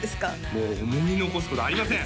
もう思い残すことありません！